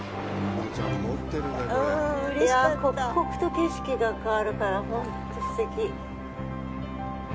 刻々と景色が変わるから本当すてき。